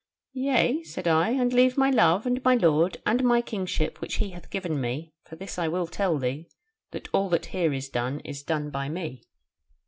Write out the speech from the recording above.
'Yea?' said I, 'and leave my love and my lord, and my kingship which he hath given me? for this I will tell thee, that all that here is done, is done by me.'